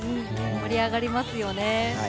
盛り上がりますよね。